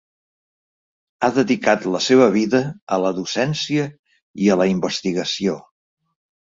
Ha dedicat la seva vida a la docència i a la investigació.